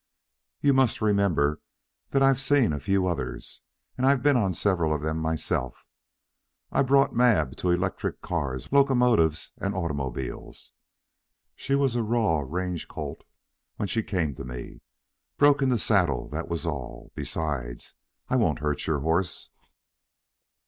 "But you must remember I've seen a few others, and I've been on several of them myself. I brought Mab here to electric cars, locomotives, and automobiles. She was a raw range colt when she came to me. Broken to saddle that was all. Besides, I won't hurt your horse."